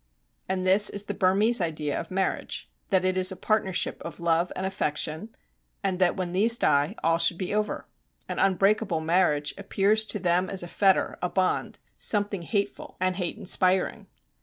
And this is the Burmese idea of marriage, that it is a partnership of love and affection, and that when these die, all should be over. An unbreakable marriage appears to them as a fetter, a bond, something hateful and hate inspiring.